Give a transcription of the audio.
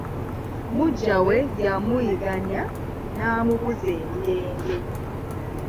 Muggya we yamuyigganya n'amubuza emirembe.